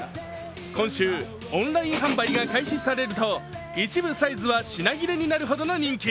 今週、オンライン販売が開始されると一部サイズは品切れになるほどの人気。